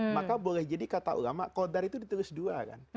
maka boleh jadi kata ulama kodar itu ditulis dua kan